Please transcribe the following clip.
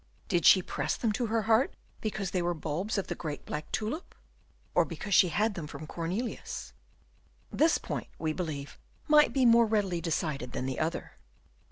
Did she press them to her heart because they were the bulbs of the great black tulip, or because she had them from Cornelius? This point, we believe, might be more readily decided than the other.